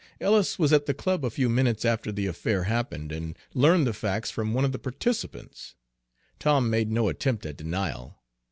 Ellis was at the club a few minutes after the affair happened, and learned the facts from one of the participants. Tom made no attempt at denial.